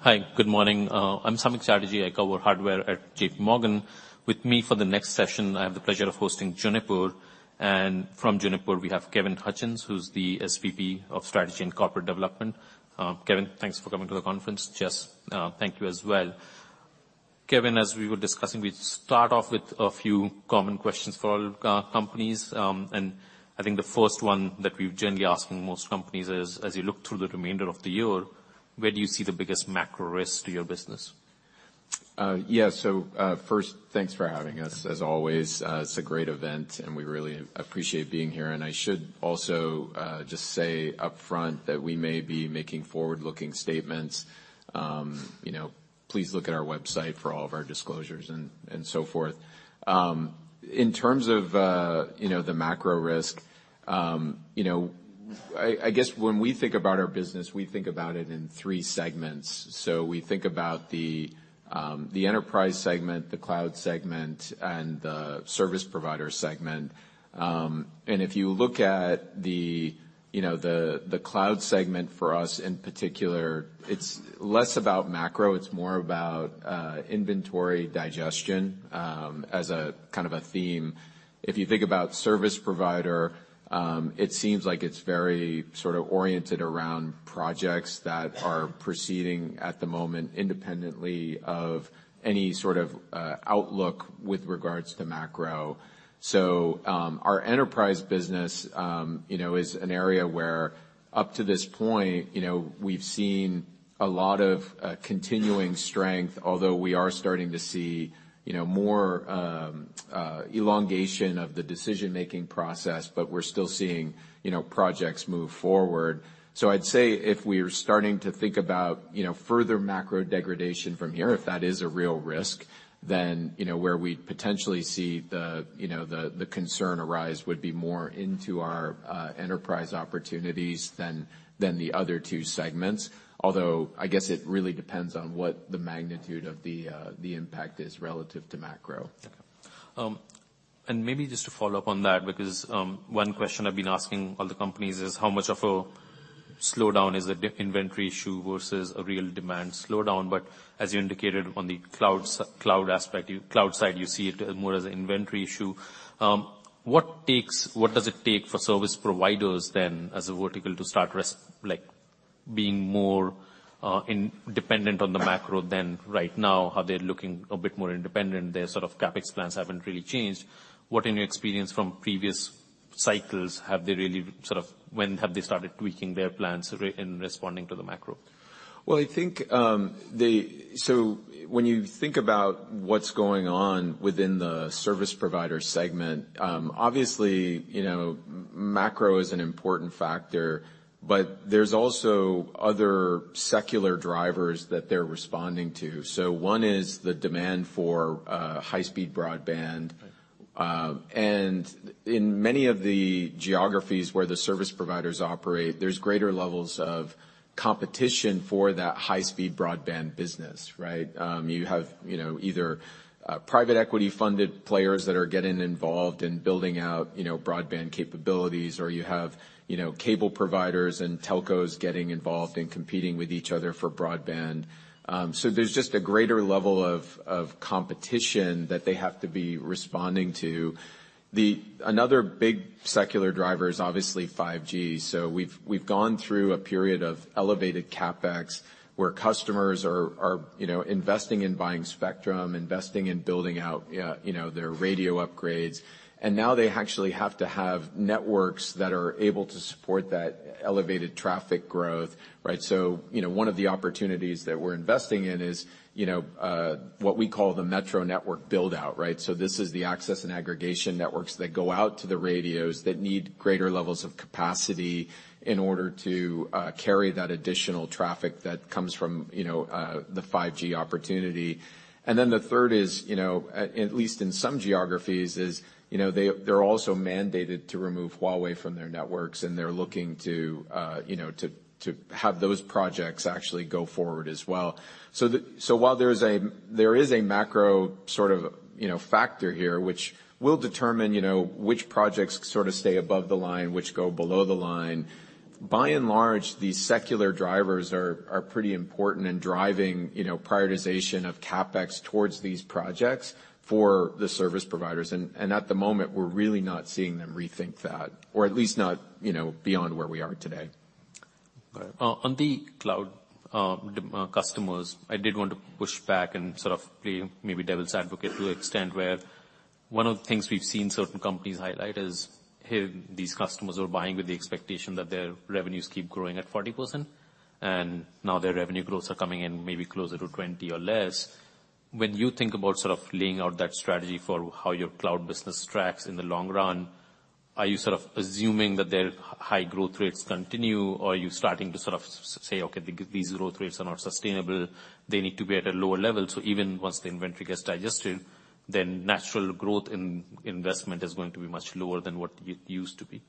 Hi, good morning. I'm Samik Chatterjee. I cover hardware at J.P. Morgan. With me for the next session, I have the pleasure of hosting Juniper, and from Juniper we have Kevin Hutchins, who's the SVP of Strategy and Corporate Development. Kevin, thanks for coming to the conference. Jess, thank you as well. Kevin, as we were discussing, we start off with a few common questions for all companies. I think the first one that we've generally ask from most companies is, as you look through the remainder of the year, where do you see the biggest macro risk to your business? Yeah. First, thanks for having us, as always. It's a great event, and we really appreciate being here. I should also, just say up front that we may be making forward-looking statements. You know, please look at our website for all of our disclosures and so forth. In terms of, you know, the macro risk, you know, I guess when we think about our business, we think about it in three segments. We think about the enterprise segment, the cloud segment, and the service provider segment. If you look at the, you know, the cloud segment for us in particular, it's less about macro, it's more about, inventory digestion, as a, kind of a theme. If you think about service provider, it seems like it's very sort of oriented around projects that are proceeding at the moment independently of any sort of outlook with regards to macro. Our enterprise business, you know, is an area where up to this point, you know, we've seen a lot of continuing strength, although we are starting to see, you know, more elongation of the decision-making process, but we're still seeing, you know, projects move forward. I'd say if we're starting to think about, you know, further macro degradation from here, if that is a real risk, then, you know, where we'd potentially see the, you know, the concern arise would be more into our enterprise opportunities than the other two segments. I guess it really depends on what the magnitude of the impact is relative to macro. Okay. Maybe just to follow up on that, because one question I've been asking other companies is: How much of a slowdown is a inventory issue versus a real demand slowdown? As you indicated on the cloud aspect, cloud side, you see it as more as an inventory issue. What does it take for service providers then, as a vertical, to start like, being more independent on the macro than right now? Are they looking a bit more independent? Their sort of CapEx plans haven't really changed. What, in your experience from previous cycles, have they really sort of when have they started tweaking their plans in responding to the macro? I think, when you think about what's going on within the service provider segment, obviously, you know, macro is an important factor, but there's also other secular drivers that they're responding to. One is the demand for high-speed broadband. Right. In many of the geographies where the service providers operate, there's greater levels of competition for that high-speed broadband business, right? You have, you know, either private equity-funded players that are getting involved in building out, you know, broadband capabilities, or you have, you know, cable providers and telcos getting involved and competing with each other for broadband. There's just a greater level of competition that they have to be responding to. Another big secular driver is obviously 5G. We've gone through a period of elevated CapEx, where customers are, you know, investing in buying spectrum, investing in building out, you know, their radio upgrades, and now they actually have to have networks that are able to support that elevated traffic growth, right? you know, one of the opportunities that we're investing in is, you know, what we call the metro network build-out, right? This is the access and aggregation networks that go out to the radios that need greater levels of capacity in order to carry that additional traffic that comes from, you know, the 5G opportunity. The third is, you know, at least in some geographies, is, you know, they're also mandated to remove Huawei from their networks, and they're looking to, you know, to have those projects actually go forward as well. While there is a macro sort of, you know, factor here, which will determine, you know, which projects sort of stay above the line, which go below the line, by and large, the secular drivers are pretty important in driving, you know, prioritization of CapEx towards these projects for the service providers. At the moment, we're really not seeing them rethink that, or at least not, you know, beyond where we are today. Got it. On the cloud, customers, I did want to push back and sort of play maybe devil's advocate to the extent where one of the things we've seen certain companies highlight is here these customers are buying with the expectation that their revenues keep growing at 40%, and now their revenue growths are coming in maybe closer to 20% or less. When you think about sort of laying out that strategy for how your cloud business tracks in the long run, are you sort of assuming that their high growth rates continue, or are you starting to sort of say, "Okay, these growth rates are not sustainable, they need to be at a lower level," so even once the inventory gets digested. Natural growth in investment is going to be much lower than what it used to be.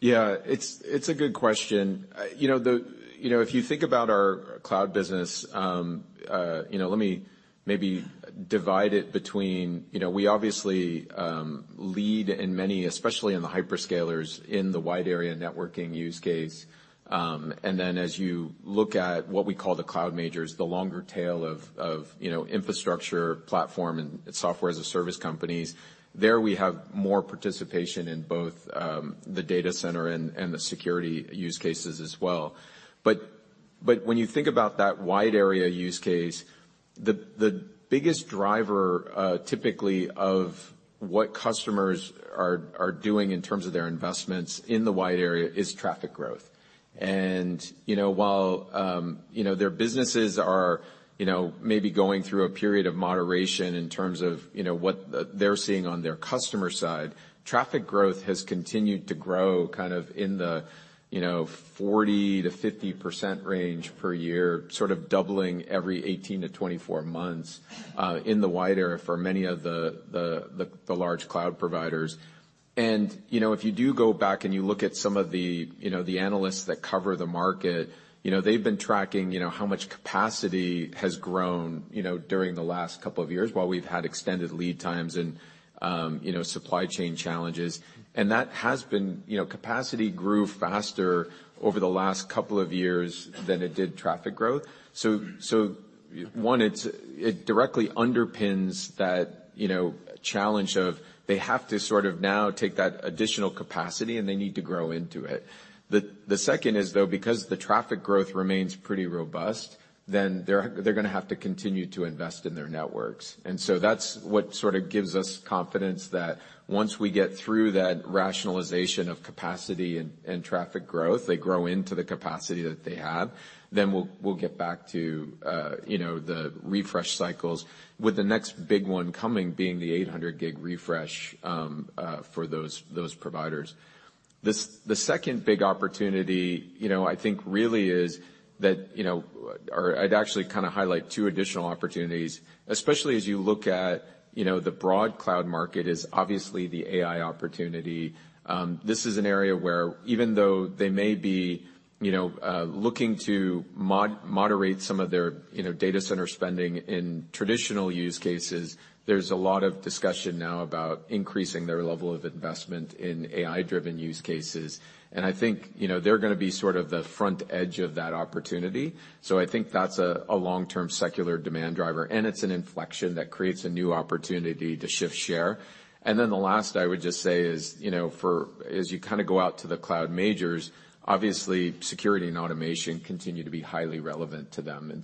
Yeah. It's a good question. You know, if you think about our cloud business, you know, let me maybe divide it between, you know, we obviously lead in many, especially in the hyperscalers in the wide area networking use case. As you look at what we call the cloud majors, the longer tail of, you know, infrastructure platform and software as a service companies, there we have more participation in both the data center and the security use cases as well. When you think about that wide area use case, the biggest driver typically of what customers are doing in terms of their investments in the wide area is traffic growth. You know, while, you know, their businesses are, you know, maybe going through a period of moderation in terms of, you know, what they're seeing on their customer side, traffic growth has continued to grow kind of in the, you know, 40%-50% range per year, sort of doubling every 18-24 months in the wide area for many of the large cloud providers. You know, if you do go back and you look at some of the, you know, the analysts that cover the market, you know, they've been tracking, you know, how much capacity has grown, you know, during the last couple of years while we've had extended lead times and, you know, supply chain challenges. You know, capacity grew faster over the last couple of years than it did traffic growth. one, it directly underpins that, you know, challenge of they have to sort of now take that additional capacity, and they need to grow into it. The second is, though, because the traffic growth remains pretty robust, then they're gonna have to continue to invest in their networks. That's what sort of gives us confidence that once we get through that rationalization of capacity and traffic growth, they grow into the capacity that they have, then we'll get back to, you know, the refresh cycles, with the next big one coming being the 800G refresh for those providers. The second big opportunity, you know, I think really is that, you know... I'd actually kind of highlight two additional opportunities, especially as you look at, you know, the broad cloud market is obviously the AI opportunity. This is an area where even though they may be, you know, looking to moderate some of their, you know, data center spending in traditional use cases, there's a lot of discussion now about increasing their level of investment in AI-driven use cases. I think, you know, they're gonna be sort of the front edge of that opportunity. I think that's a long-term secular demand driver, and it's an inflection that creates a new opportunity to shift share. The last I would just say is, you know, as you kind of go out to the cloud majors, obviously security and automation continue to be highly relevant to them.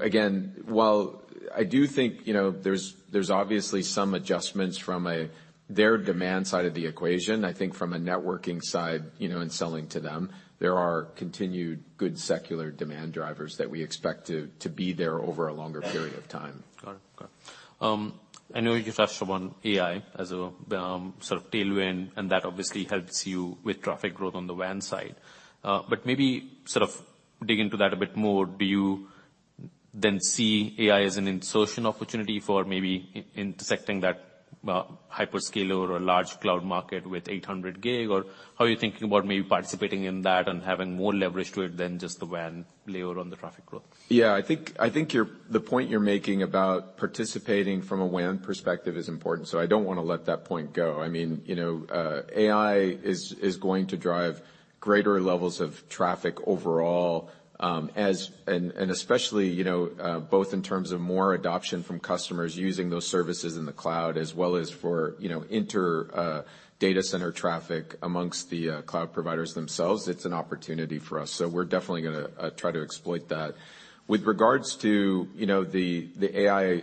Again, while I do think, you know, there's obviously some adjustments from their demand side of the equation, I think from a networking side, you know, in selling to them, there are continued good secular demand drivers that we expect to be there over a longer period of time. Got it. Got it. I know you touched upon AI as a sort of tailwind. That obviously helps you with traffic growth on the WAN side. Maybe sort of dig into that a bit more. Do you then see AI as an insertion opportunity for maybe in-intersecting that hyperscaler or large cloud market with 800G? How are you thinking about maybe participating in that and having more leverage to it than just the WAN layer on the traffic growth? Yeah. I think, the point you're making about participating from a WAN perspective is important, so I don't wanna let that point go. I mean, you know, AI is going to drive greater levels of traffic overall, especially, you know, both in terms of more adoption from customers using those services in the cloud as well as for, you know, inter data center traffic amongst the cloud providers themselves. It's an opportunity for us. We're definitely gonna try to exploit that. With regards to, you know, the AI,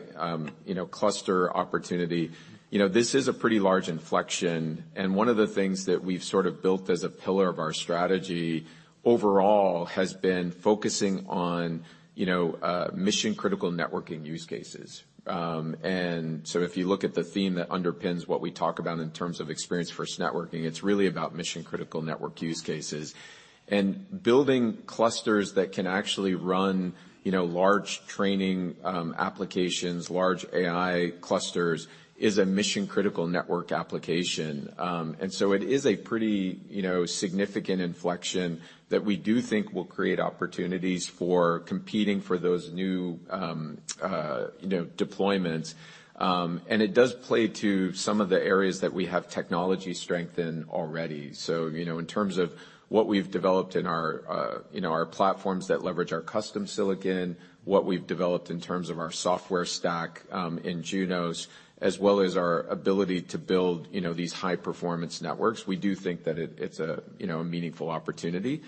you know, cluster opportunity, you know, this is a pretty large inflection, and one of the things that we've sort of built as a pillar of our strategy overall has been focusing on, you know, mission-critical networking use cases. If you look at the theme that underpins what we talk about in terms of Experience-First Networking, it's really about mission-critical network use cases. Building clusters that can actually run, you know, large training applications, large AI clusters, is a mission-critical network application. It is a pretty, you know, significant inflection that we do think will create opportunities for competing for those new, you know, deployments. It does play to some of the areas that we have technology strength in already. you know, in terms of what we've developed in our, you know, our platforms that leverage our custom silicon, what we've developed in terms of our software stack, in Junos, as well as our ability to build, you know, these high-performance networks, we do think that it's a, you know, a meaningful opportunity.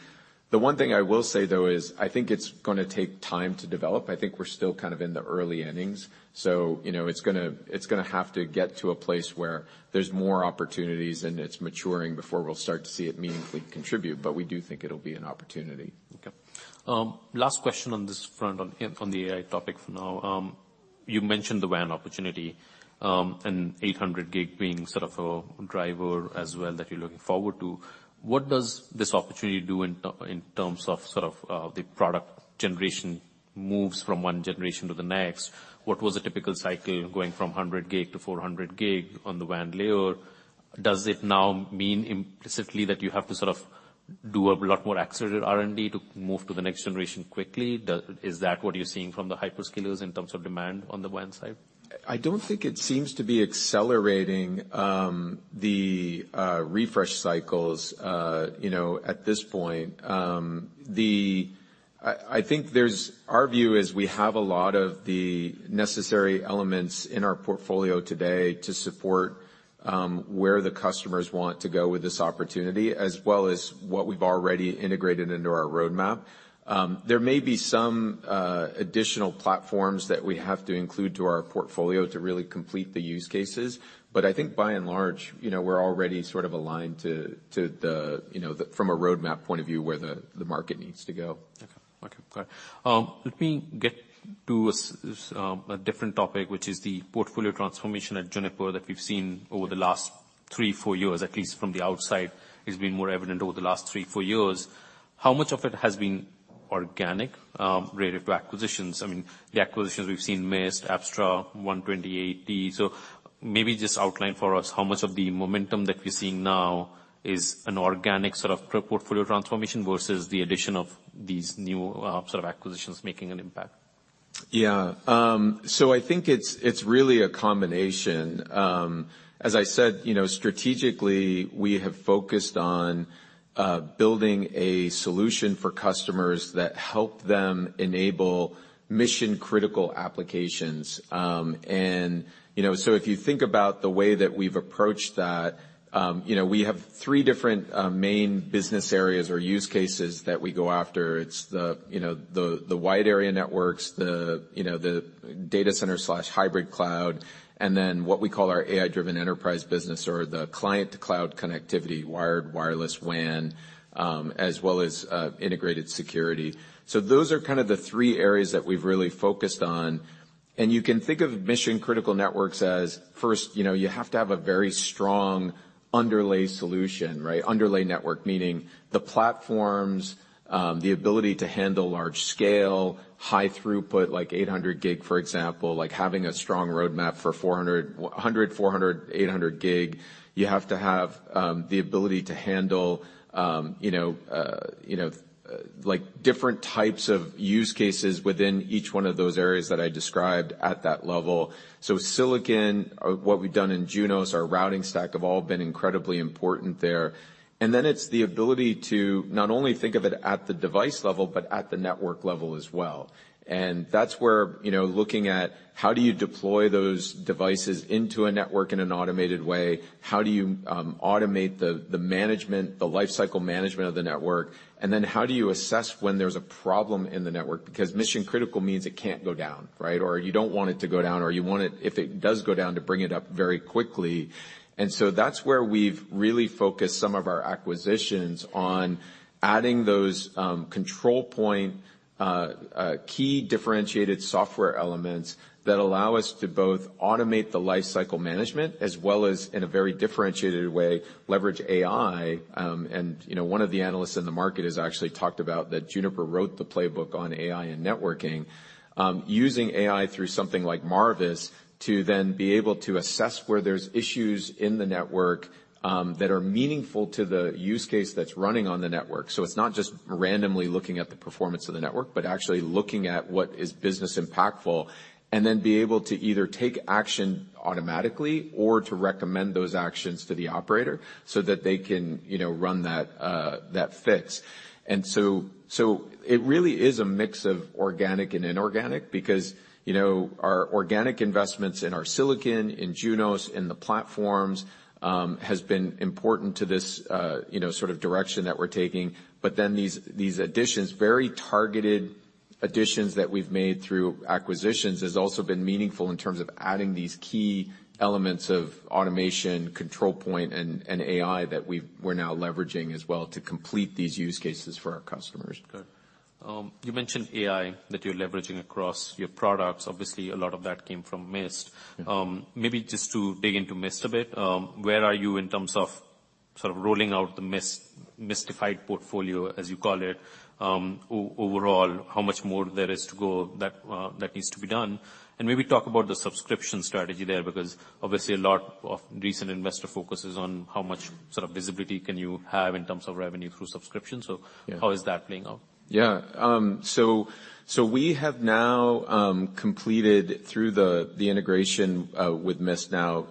The one thing I will say though is I think it's gonna take time to develop. I think we're still kind of in the early innings, so, you know, it's gonna have to get to a place where there's more opportunities and it's maturing before we'll start to see it meaningfully contribute, but we do think it'll be an opportunity. Okay. Last question on this front on the AI topic for now. You mentioned the WAN opportunity, and 800G being sort of a driver as well that you're looking forward to. What does this opportunity do in terms of sort of the product generation moves from one generation to the next? What was the typical cycle going from 100 Gig to 400 Gig on the WAN layer? Does it now mean implicitly that you have to sort of do a lot more accelerated R&D to move to the next generation quickly? Is that what you're seeing from the hyperscalers in terms of demand on the WAN side? I don't think it seems to be accelerating, the refresh cycles, you know, at this point. I think there's our view is we have a lot of the necessary elements in our portfolio today to support where the customers want to go with this opportunity, as well as what we've already integrated into our roadmap. There may be some additional platforms that we have to include to our portfolio to really complete the use cases, but I think by and large, you know, we're already sort of aligned to the, you know, from a roadmap point of view, where the market needs to go. Okay. Okay, got it. Let me get to a different topic, which is the portfolio transformation at Juniper that we've seen over the last three, four years, at least from the outside, it's been more evident over the last three, four years. How much of it has been organic, related to acquisitions? I mean, the acquisitions we've seen, Mist, Apstra, 128 Technology. Maybe just outline for us how much of the momentum that we're seeing now is an organic sort of portfolio transformation versus the addition of these new sort of acquisitions making an impact. Yeah. I think it's really a combination. As I said, you know, strategically, we have focused on building a solution for customers that help them enable mission-critical applications. You know, if you think about the way that we've approached that, you know, we have three different main business areas or use cases that we go after. It's the, you know, the wide area networks, the, you know, the data center/hybrid cloud, what we call our AI-Driven Enterprise business or the client-to-cloud connectivity, wired, wireless, WAN, as well as integrated security. Those are kind of the three areas that we've really focused on. You can think of mission-critical networks as first, you know, you have to have a very strong underlay solution, right? Underlay network, meaning the platforms, the ability to handle large scale, high throughput, like 800 Gig, for example, like having a strong roadmap for 400 Gig, 800 Gig. You have to have the ability to handle, you know, like different types of use cases within each one of those areas that I described at that level. Silicon, what we've done in Junos, our routing stack have all been incredibly important there. It's the ability to not only think of it at the device level, but at the network level as well. That's where, you know, looking at how do you deploy those devices into a network in an automated way? How do you automate the management, the lifecycle management of the network? How do you assess when there's a problem in the network? Because mission-critical means it can't go down, right? Or you don't want it to go down, or you want it, if it does go down, to bring it up very quickly. That's where we've really focused some of our acquisitions on adding those, control point, key differentiated software elements that allow us to both automate the lifecycle management as well as, in a very differentiated way, leverage AI. You know, one of the analysts in the market has actually talked about that Juniper wrote the playbook on AI and networking, using AI through something like Marvis to then be able to assess where there's issues in the network that are meaningful to the use case that's running on the network. It's not just randomly looking at the performance of the network, but actually looking at what is business impactful, and then be able to either take action automatically or to recommend those actions to the operator so that they can, you know, run that fix. It really is a mix of organic and inorganic because, you know, our organic investments in our silicon, in Junos, in the platforms, has been important to this, you know, sort of direction that we're taking. These, these additions, very targeted additions that we've made through acquisitions, has also been meaningful in terms of adding these key elements of automation, control point, and AI that we're now leveraging as well to complete these use cases for our customers. Good. You mentioned AI that you're leveraging across your products. Obviously, a lot of that came from Mist. Maybe just to dig into Mist a bit, where are you in terms of sort of rolling out the Mist-ified portfolio, as you call it, overall? How much more there is to go that needs to be done? Maybe talk about the subscription strategy there, because obviously a lot of recent investor focus is on how much sort of visibility can you have in terms of revenue through subscription. Yeah. How is that playing out? Yeah. We have now completed through the integration with Mist now.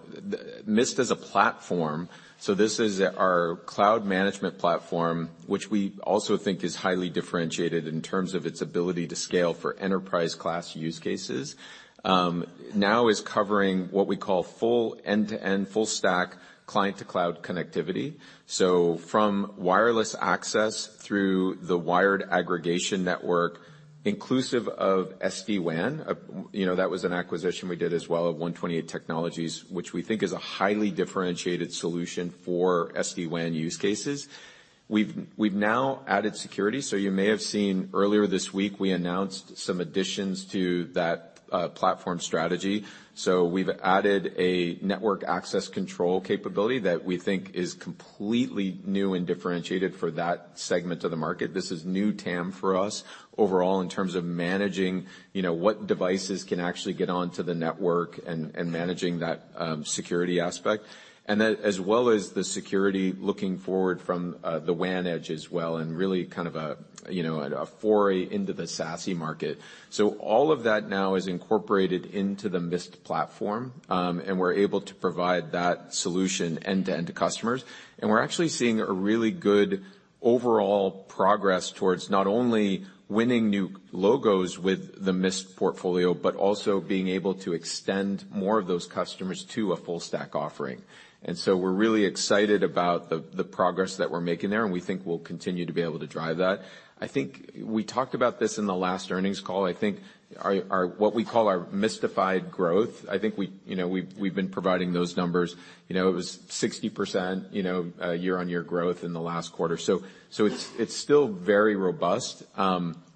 Mist is a platform, this is our cloud management platform, which we also think is highly differentiated in terms of its ability to scale for enterprise class use cases. Now is covering what we call full end-to-end, full stack client to cloud connectivity. From wireless access through the wired aggregation network, inclusive of SD-WAN, you know, that was an acquisition we did as well of 128 Technology, which we think is a highly differentiated solution for SD-WAN use cases. We've now added security. You may have seen earlier this week we announced some additions to that platform strategy. We've added a network access control capability that we think is completely new and differentiated for that segment of the market. This is new TAM for us overall in terms of managing, you know, what devices can actually get onto the network and managing that security aspect. Then as well as the security looking forward from the WAN edge as well and really kind of a, you know. A foray into the SASE market. All of that now is incorporated into the Mist platform, and we're able to provide that solution end-to-end to customers. We're actually seeing a really good overall progress towards not only winning new logos with the Mist portfolio, but also being able to extend more of those customers to a full stack offering. We're really excited about the progress that we're making there, and we think we'll continue to be able to drive that. I think we talked about this in the last earnings call. I think our what we call our Mistified growth, I think we, you know, we've been providing those numbers. You know, it was 60%, you know, year-on-year growth in the last quarter. It's still very robust.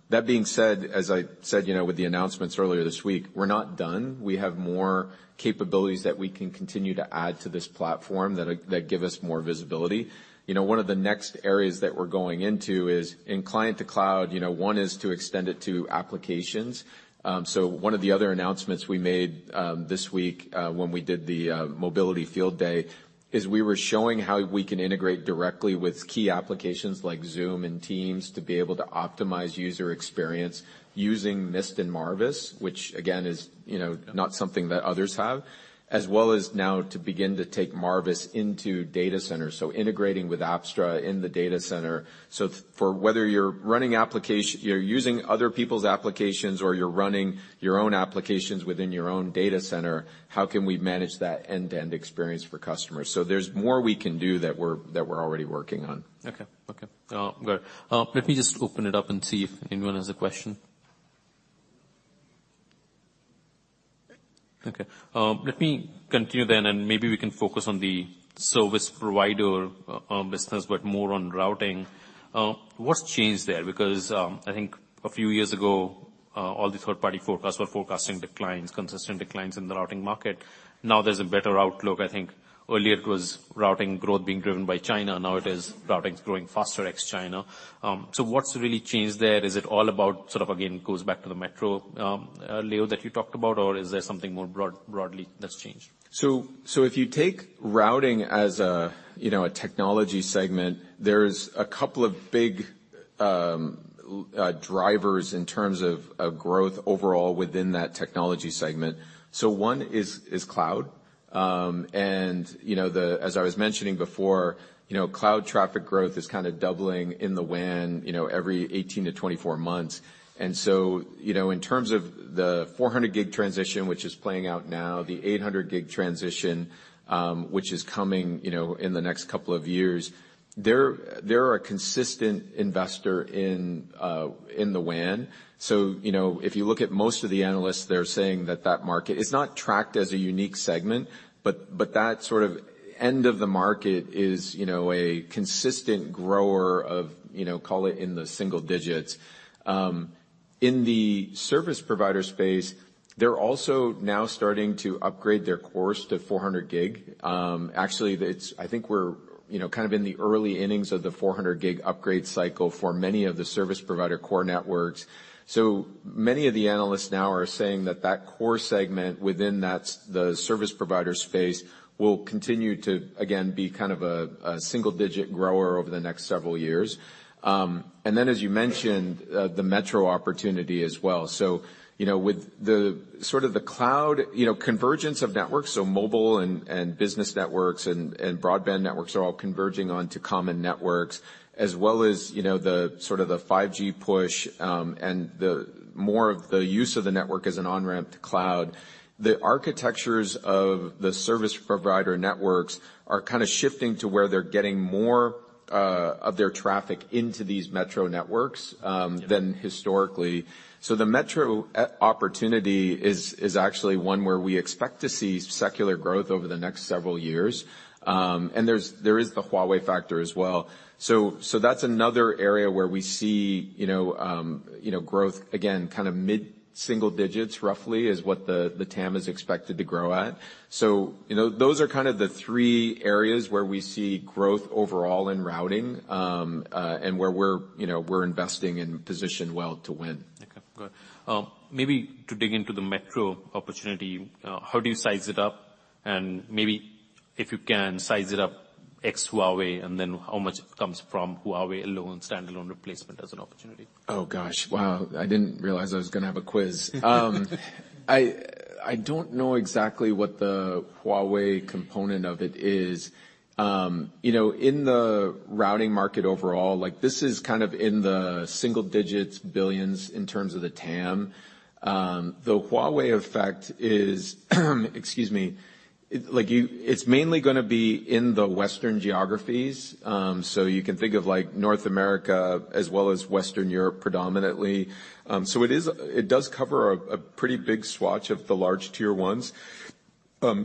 That being said, as I said, you know, with the announcements earlier this week, we're not done. We have more capabilities that we can continue to add to this platform that give us more visibility. You know, one of the next areas that we're going into is in client to cloud, you know, one is to extend it to applications. One of the other announcements we made this week, when we did the Mobility Field Day, is we were showing how we can integrate directly with key applications like Zoom and Teams to be able to optimize user experience using Mist and Marvis, which again, is you know, not something that others have. As well as now to begin to take Marvis into data centers, so integrating with Apstra in the data center. For whether you're running you're using other people's applications or you're running your own applications within your own data center, how can we manage that end-to-end experience for customers? There's more we can do that we're already working on. Okay. Okay. Good. Let me just open it up and see if anyone has a question. Okay, let me continue then, maybe we can focus on the service provider business, but more on routing. What's changed there? Because, I think a few years ago, all the third party forecasts were forecasting declines, consistent declines in the routing market. Now there's a better outlook. I think earlier it was routing growth being driven by China, now it is routing is growing faster ex-China. What's really changed there? Is it all about sort of, again, goes back to the metro layer that you talked about? Or is there something more broad, broadly that's changed? If you take routing as a, you know, a technology segment, there's a couple of big drivers in terms of growth overall within that technology segment. One is cloud. You know, as I was mentioning before, you know, cloud traffic growth is kind of doubling in the WAN, you know, every 18-24 months. You know, in terms of the 400 Gig transition, which is playing out now, the 800G transition, which is coming, you know, in the next couple of years, they're a consistent investor in the WAN. You know, if you look at most of the analysts, they're saying that that market is not tracked as a unique segment, but that sort of end of the market is, you know, a consistent grower of, you know, call it in the single digits. In the service provider space, they're also now starting to upgrade their cores to 400 Gig. Actually, I think we're, you know, kind of in the early innings of the 400 Gig upgrade cycle for many of the service provider core networks. Many of the analysts now are saying that that core segment within the service provider space will continue to, again, be kind of a single digit grower over the next several years. And then as you mentioned, the metro opportunity as well. You know, with the sort of the cloud, you know, convergence of networks, so mobile and business networks and broadband networks are all converging onto common networks, as well as, you know, the sort of the 5G push, and the more of the use of the network as an on-ramp to cloud. The architectures of the service provider networks are kind of shifting to where they're getting more of their traffic into these metro networks than historically. The metro e-opportunity is actually one where we expect to see secular growth over the next several years. There is the Huawei factor as well. That's another area where we see, you know, you know, growth, again, kind of mid-single digits roughly is what the TAM is expected to grow at. You know, those are kind of the three areas where we see growth overall in routing, and where we're, you know, we're investing and positioned well to win. Okay. Maybe to dig into the metro opportunity, how do you size it up? Maybe if you can size it up ex-Huawei, and then how much comes from Huawei alone, standalone replacement as an opportunity? Oh, gosh, wow. I didn't realize I was gonna have a quiz. I don't know exactly what the Huawei component of it is. You know, in the routing market overall, like this is kind of in the single digits, $billions in terms of the TAM. The Huawei effect is, excuse me, like it's mainly gonna be in the Western geographies. You can think of like North America as well as Western Europe predominantly. It does cover a pretty big swatch of the large tier ones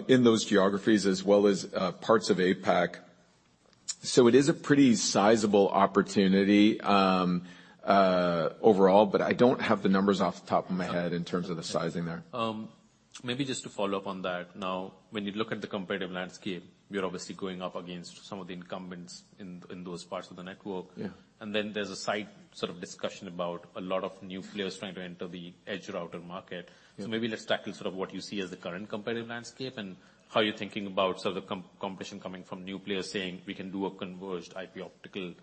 in those geographies as well as parts of APAC. It is a pretty sizable opportunity overall, but I don't have the numbers off the top of my head in terms of the sizing there. Maybe just to follow up on that now, when you look at the competitive landscape, you're obviously going up against some of the incumbents in those parts of the network. Yeah. There's a side sort of discussion about a lot of new players trying to enter the edge router market. Yeah. Maybe let's tackle sort of what you see as the current competitive landscape and how you're thinking about sort of the competition coming from new players saying, "We can do a converged IP/Optical,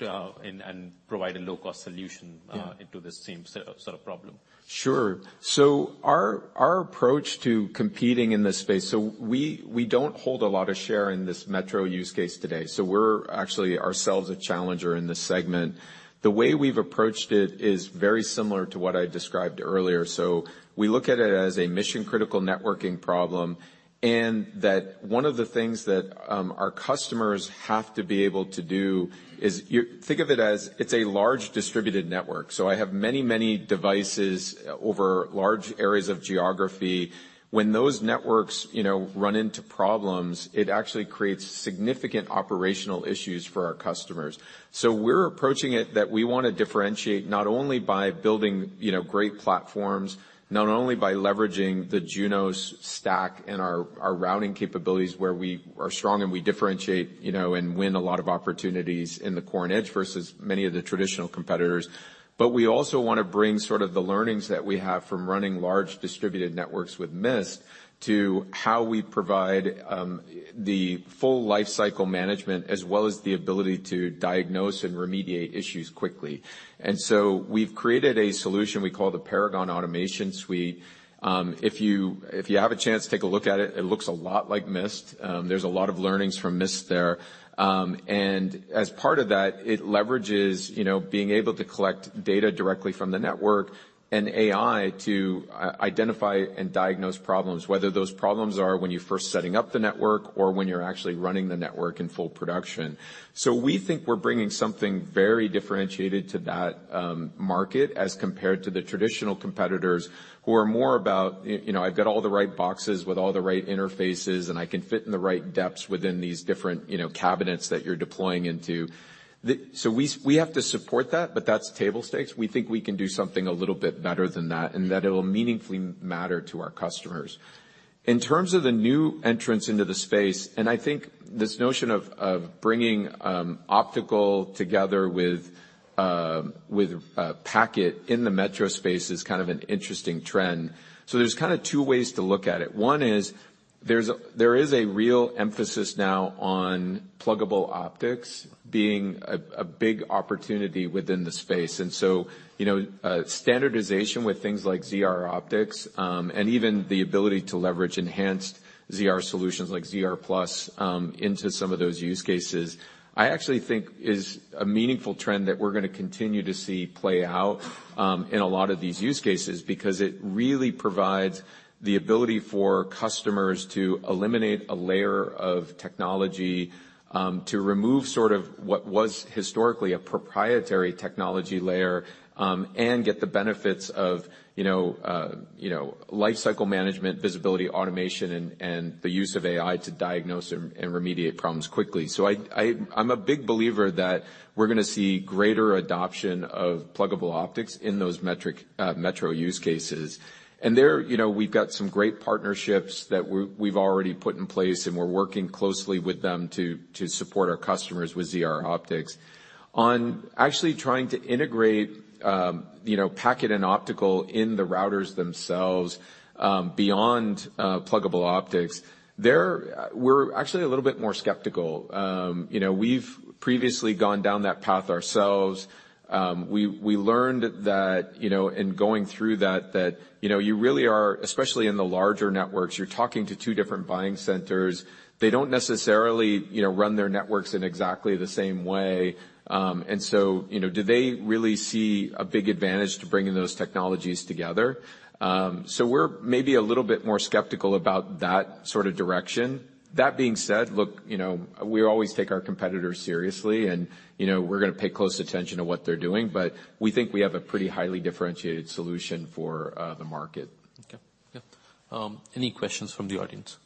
and provide a low-cost solution... Yeah. into the same sort of problem. Sure. Our approach to competing in this space. We don't hold a lot of share in this metro use case today, so we're actually ourselves a challenger in this segment. The way we've approached it is very similar to what I described earlier. We look at it as a mission-critical networking problem, and that one of the things that our customers have to be able to do is think of it as it's a large distributed network. I have many, many devices over large areas of geography. When those networks, you know, run into problems, it actually creates significant operational issues for our customers. We're approaching it that we wanna differentiate not only by building, you know, great platforms, not only by leveraging the Junos stack and our routing capabilities where we are strong and we differentiate, you know, and win a lot of opportunities in the core and edge versus many of the traditional competitors, but we also wanna bring sort of the learnings that we have from running large distributed networks with Mist to how we provide the full lifecycle management as well as the ability to diagnose and remediate issues quickly. We've created a solution we call the Paragon Automation Suite. If you, if you have a chance to take a look at it looks a lot like Mist. There's a lot of learnings from Mist there. As part of that, it leverages, you know, being able to collect data directly from the network and AI to identify and diagnose problems, whether those problems are when you're first setting up the network or when you're actually running the network in full production. We think we're bringing something very differentiated to that market as compared to the traditional competitors who are more about, you know, I've got all the right boxes with all the right interfaces, and I can fit in the right depths within these different, you know, cabinets that you're deploying into. We have to support that, but that's table stakes. We think we can do something a little bit better than that, and that it'll meaningfully matter to our customers. In terms of the new entrants into the space, I think this notion of bringing optical together with with packet in the metro space is kinda an interesting trend. There's kinda two ways to look at it. One is there is a real emphasis now on pluggable optics being a big opportunity within the space. You know, standardization with things like ZR optics, and even the ability to leverage enhanced ZR solutions like ZR+, into some of those use cases, I actually think is a meaningful trend that we're gonna continue to see play out in a lot of these use cases because it really provides the ability for customers to eliminate a layer of technology, to remove sort of what was historically a proprietary technology layer, and get the benefits of, you know, lifecycle management, visibility, automation, and the use of AI to diagnose and remediate problems quickly. I'm a big believer that we're gonna see greater adoption of pluggable optics in those metric, metro use cases. There, you know, we've got some great partnerships that we've already put in place, and we're working closely with them to support our customers with ZR optics. Actually trying to integrate, you know, packet and optical in the routers themselves, beyond pluggable optics, there we're actually a little bit more skeptical. We've previously gone down that path ourselves. We learned that, you know, in going through that, you know, you really are, especially in the larger networks, you're talking to two different buying centers. They don't necessarily, you know, run their networks in exactly the same way. Do they really see a big advantage to bringing those technologies together? We're maybe a little bit more skeptical about that sort of direction. That being said, look, you know, we always take our competitors seriously and, you know, we're gonna pay close attention to what they're doing. We think we have a pretty highly differentiated solution for the market. Okay. Yeah. Any questions from the audience?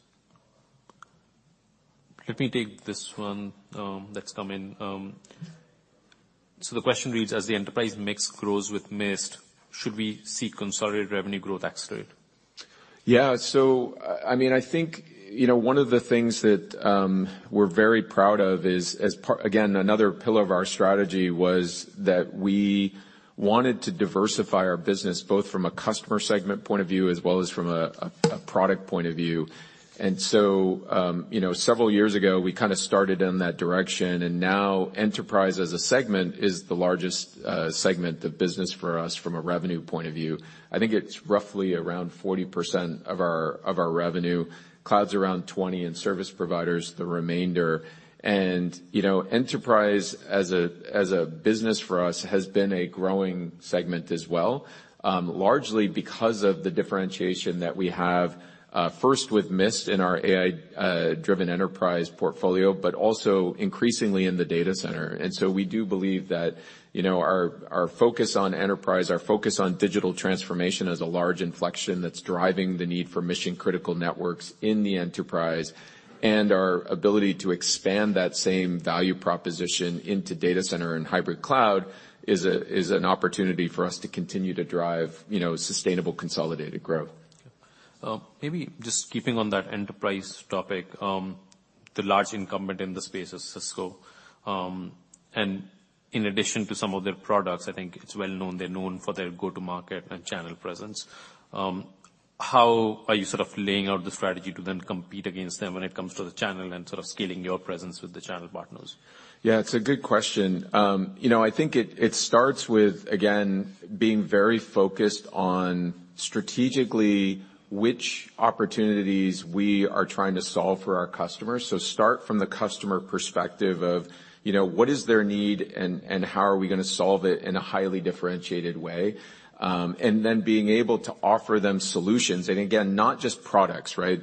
Let me take this one that's come in. The question reads: As the enterprise mix grows with Mist, should we seek consolidated revenue growth accelerate? Yeah. I mean, I think, you know, one of the things that we're very proud of is again, another pillar of our strategy was that we wanted to diversify our business, both from a customer segment point of view as well as from a product point of view. You know, several years ago, we kinda started in that direction, and now enterprise as a segment is the largest segment of business for us from a revenue point of view. I think it's roughly around 40% of our, of our revenue. Cloud's around 20, and service provider's the remainder. You know, enterprise as a, as a business for us has been a growing segment as well, largely because of the differentiation that we have, first with Mist in our AI-Driven Enterprise portfolio, but also increasingly in the data center. We do believe that, you know, our focus on enterprise, our focus on digital transformation is a large inflection that's driving the need for mission-critical networks in the enterprise. Our ability to expand that same value proposition into data center and hybrid cloud is an opportunity for us to continue to drive, you know, sustainable consolidated growth. Maybe just keeping on that enterprise topic, the large incumbent in the space is Cisco. In addition to some of their products, I think it's well-known, they're known for their go-to-market and channel presence. How are you sort of laying out the strategy to then compete against them when it comes to the channel and sort of scaling your presence with the channel partners? Yeah, it's a good question. you know, I think it starts with, again, being very focused on strategically which opportunities we are trying to solve for our customers. Start from the customer perspective of, you know, what is their need and how are we gonna solve it in a highly differentiated way. Being able to offer them solutions, and again, not just products, right?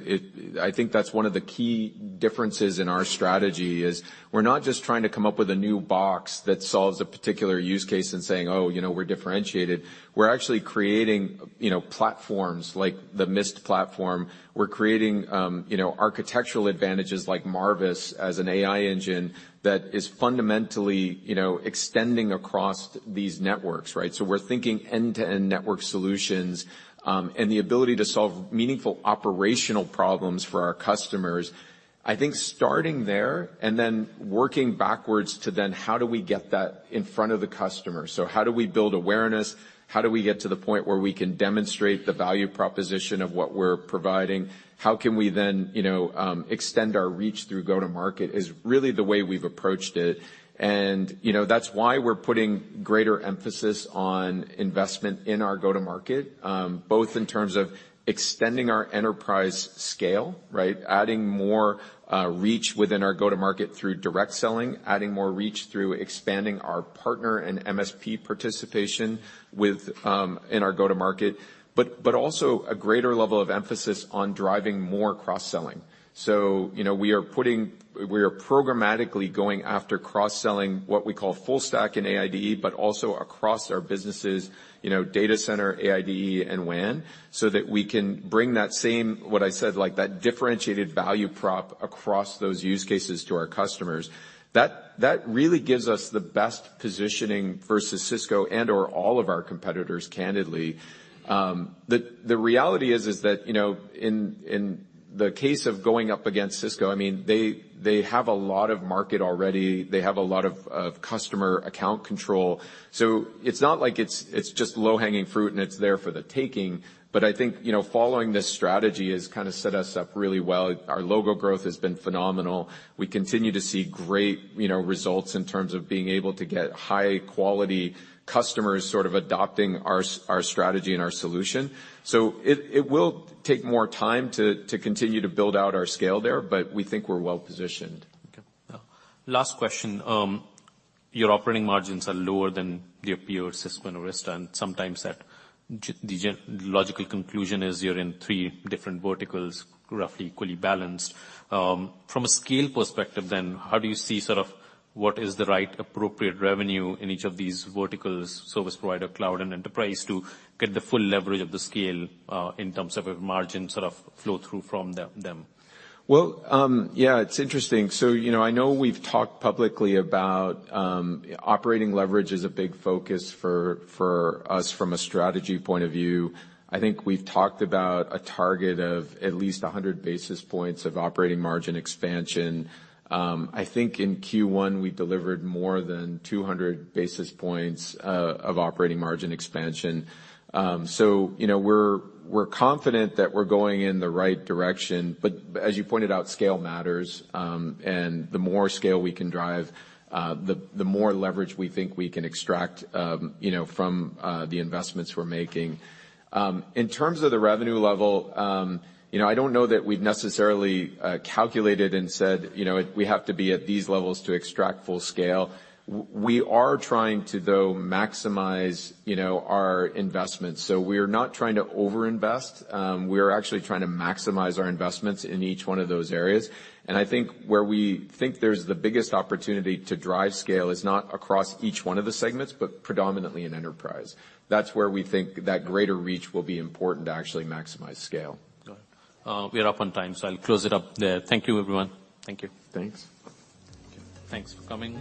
I think that's one of the key differences in our strategy is we're not just trying to come up with a new box that solves a particular use case and saying, "Oh, you know, we're differentiated." We're actually creating, you know, platforms like the Mist platform. We're creating, you know, architectural advantages like Marvis as an AI engine that is fundamentally, you know, extending across these networks, right? We're thinking end-to-end network solutions, and the ability to solve meaningful operational problems for our customers. I think starting there, working backwards to how do we get that in front of the customer? How do we build awareness? How do we get to the point where we can demonstrate the value proposition of what we're providing? How can we, you know, extend our reach through go-to-market is really the way we've approached it. You know, that's why we're putting greater emphasis on investment in our go-to-market, both in terms of extending our enterprise scale, right? Adding more reach within our go-to-market through direct selling, adding more reach through expanding our partner and MSP participation with in our go-to-market, but also a greater level of emphasis on driving more cross-selling. You know, we are putting... We are programmatically going after cross-selling, what we call full stack in AIDE, but also across our businesses, you know, data center, AIDE and WAN, so that we can bring that same, what I said, like, that differentiated value prop across those use cases to our customers. That really gives us the best positioning versus Cisco and/or all of our competitors, candidly. The reality is that, you know, in the case of going up against Cisco, I mean, they have a lot of market already. They have a lot of customer account control. It's not like it's just low-hanging fruit, and it's there for the taking. I think, you know, following this strategy has kinda set us up really well. Our logo growth has been phenomenal. We continue to see great, you know, results in terms of being able to get high-quality customers sort of adopting our strategy and our solution. It will take more time to continue to build out our scale there, but we think we're well-positioned. Okay. Last question. Your operating margins are lower than the appeal of Cisco and Arista, and sometimes that the logical conclusion is you're in three different verticals, roughly equally balanced. From a scale perspective, how do you see sort of what is the right appropriate revenue in each of these verticals, service provider, cloud and enterprise, to get the full leverage of the scale, in terms of a margin sort of flow through from them? Yeah, it's interesting. You know, I know we've talked publicly about operating leverage is a big focus for us from a strategy point of view. I think we've talked about a target of at least 100 basis points of operating margin expansion. I think in Q1, we delivered more than 200 basis points of operating margin expansion. You know, we're confident that we're going in the right direction. As you pointed out, scale matters, and the more scale we can drive, the more leverage we think we can extract, you know, from the investments we're making. In terms of the revenue level, you know, I don't know that we've necessarily calculated and said, you know, we have to be at these levels to extract full scale. We are trying to, though, maximize, you know, our investments. We're not trying to overinvest. We are actually trying to maximize our investments in each one of those areas. I think where we think there's the biggest opportunity to drive scale is not across each one of the segments, but predominantly in enterprise. That's where we think that greater reach will be important to actually maximize scale. We are up on time, so I'll close it up there. Thank you, everyone. Thank you. Thanks. Okay. Thanks for coming.